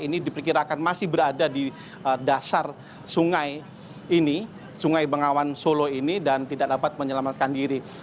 ini diperkirakan masih berada di dasar sungai bengawan solo ini dan tidak dapat menyelamatkan diri